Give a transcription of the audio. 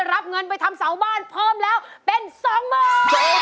รับเงินไปทำเสาบ้านเพิ่มแล้วเป็น๒๐๐๐บาท